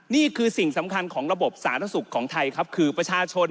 นี่คือสิ่งสำคัญของระบบสาธารณสุขของไทยครับคือประชาชน